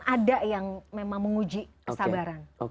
ada yang memang menguji kesabaran